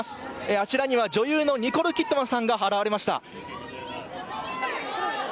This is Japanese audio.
あちらには女優のニコール・キッドマンさんが現れました。